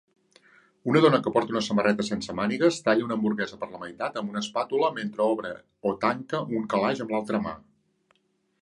Una dona que porta una samarreta sense mànigues talla una hamburguesa per la meitat amb una espàtula mentre obre o tanca un calaix amb l'altra mà.